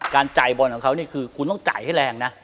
การจ่ายการดื่มของเขาคือคุณต้องจ่ายให้แรง